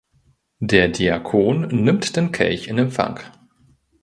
Der Diakon nimmt den Kelch in Empfang.